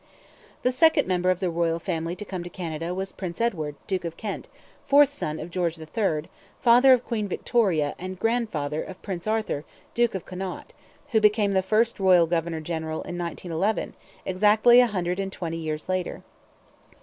The second member of the Royal Family to come to Canada was Prince Edward, Duke of Kent, fourth son of George III, father of Queen Victoria and grandfather of Prince Arthur, Duke of Connaught, who became the first royal governor general in 1911, exactly a hundred and twenty years later.